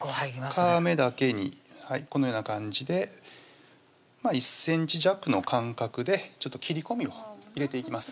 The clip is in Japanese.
皮目だけにこのような感じで１ｃｍ弱の間隔でちょっと切り込みを入れていきます